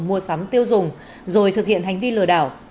mua sắm tiêu dùng rồi thực hiện hành vi lừa đảo